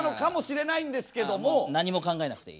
何も考えなくていい。